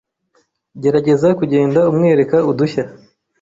Gerageza kugenda umwereka udushya